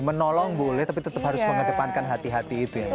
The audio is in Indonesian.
menolong boleh tapi tetap harus mengedepankan hati hati itu ya